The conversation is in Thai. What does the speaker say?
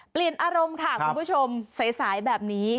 ปลินอารมณ์ค่ะคุณผู้ชมใสแบบนี้